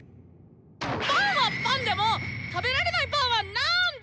パンはパンでも食べられないパンはなんだ？